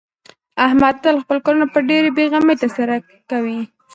احمد تل خپل کارونه په ډېرې بې غمۍ سره ترسره کوي.